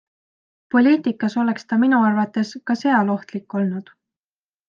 Poliitikas oleks ta minu arvates ka seal ohtlik olnud.